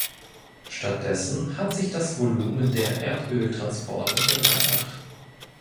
Stattdessen hat sich das Volumen der Erdöltransporte verdreifacht.